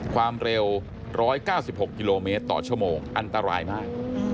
ความเร็ว๑๙๖กิโลเมตรต่อชั่วโมงอันตรายมาก